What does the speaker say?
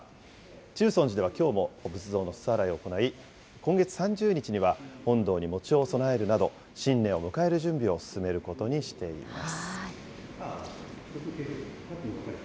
中尊寺ではきょうもお仏像のすす払いを行い、今月３０日には、本堂に餅を供えるなど、新年を迎える準備を進めることにしています。